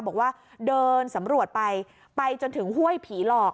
บอกว่าเดินสำรวจไปไปจนถึงห้วยผีหลอก